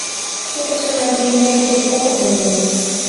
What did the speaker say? Тидыжым айдеме нерген огыт ойло.